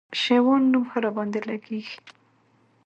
شېوان نوم ښه راباندي لګېږي